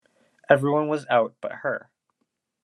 Everyone was out but her.